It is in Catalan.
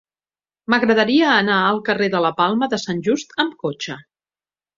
M'agradaria anar al carrer de la Palma de Sant Just amb cotxe.